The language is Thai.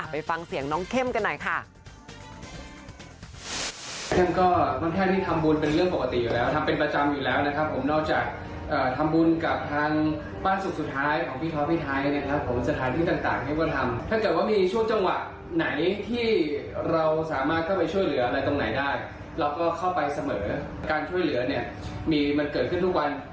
ไปฟังเสียงน้องเข้มกันหน่อยค่ะ